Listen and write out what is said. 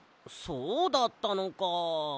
そうだったのか。